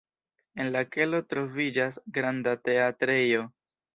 En la kelo troviĝas granda teatrejo.